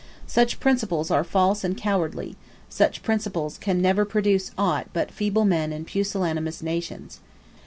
Such principles are false and cowardly; such principles can never produce aught but feeble men and pusillanimous nations.